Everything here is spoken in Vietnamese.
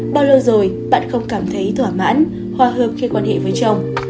bao lâu rồi bạn không cảm thấy thỏa mãn hòa hợp khi quan hệ với chồng